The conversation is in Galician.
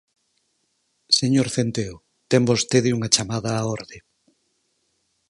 Señor Centeo, ten vostede unha chamada á orde.